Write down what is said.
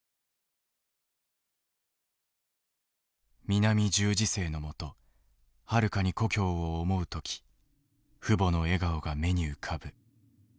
「南十字星の下はるかに故郷を思う時父母の笑顔が目に浮かぶ。